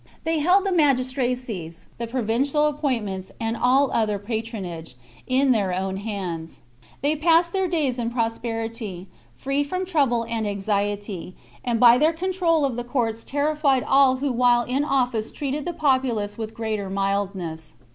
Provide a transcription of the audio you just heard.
They held the magistracies, the provin cial appointments, and all other patronage, in their own hands ; they passed their days in prosperity, free from trouble and anxiety, and by their control of the courts terrified all who while in office treated the populace with greater mildness.